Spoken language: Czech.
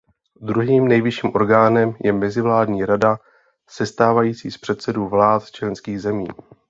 Druhým nejvyšším orgánem je Mezivládní rada sestávající z předsedů vlád členských zemí.